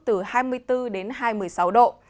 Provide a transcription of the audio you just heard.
từ hai mươi bốn đến hai mươi sáu độ